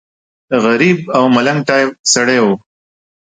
غریب او ملنګ ټایف سړی و.